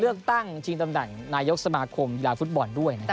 เลือกตั้งชิงตำแหน่งนายกสมาคมกีฬาฟุตบอลด้วยนะครับ